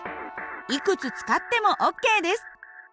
いくつ使ってもＯＫです。